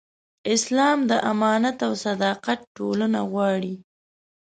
اسلام د امانت او صداقت ټولنه غواړي.